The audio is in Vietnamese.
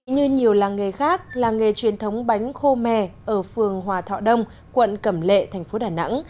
như nhiều làng nghề khác làng nghề truyền thống bánh khô mè ở phường hòa thọ đông quận cẩm lệ thành phố đà nẵng